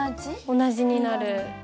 同じになる。